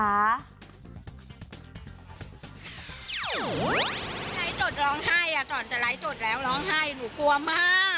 ในจดร้องไห้ก่อนจะไลฟ์สดแล้วร้องไห้หนูกลัวมาก